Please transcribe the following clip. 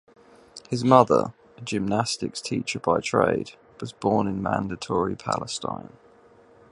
His mother, a gymnastics teacher by trade, was born in Mandatory Palestine.